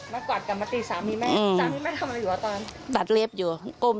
มากวาดกันมาตีสามีแม่สามีแม่ทำอะไรอยู่ว่ะตอน